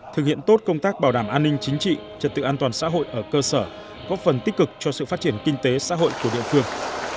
thực hiện tốt công tác bảo đảm an ninh chính trị trật tự an toàn xã hội ở cơ sở góp phần tích cực cho sự phát triển kinh tế xã hội của địa phương